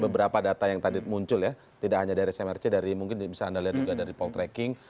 beberapa data yang tadi muncul ya tidak hanya dari smrc dari mungkin bisa anda lihat juga dari poltreking